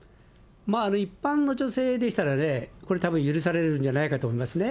一般の女性でしたらね、これ、たぶん許されるんじゃないかと思いますね。